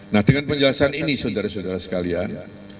nah dengan penjelasan ini saudara saudara sekalian